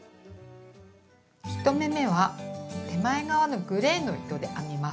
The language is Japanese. １目めは手前側のグレーの糸で編みます。